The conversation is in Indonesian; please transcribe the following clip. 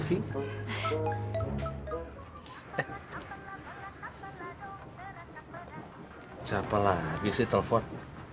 siapa lagi sih telpon